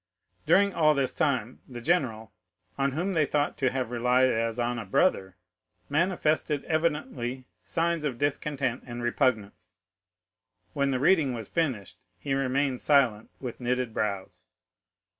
During all this time, the general, on whom they thought to have relied as on a brother, manifested evidently signs of discontent and repugnance. When the reading was finished, he remained silent, with knitted brows.